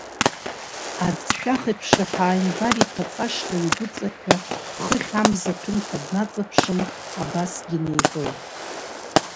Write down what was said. Аӡшәах еиԥш аԥеамбар иԥаҵашла игәыҵаҳәҳәа, хыхь, амза аҭәымҭа днаҵаԥшын, абасгьы неиҳәоит…